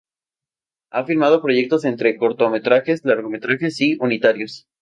Ha filmado proyectos entre cortometrajes, largometrajes y unitarios.